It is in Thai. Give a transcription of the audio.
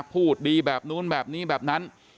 พูดดีแบบนู้นแบบนี้แบบนั้น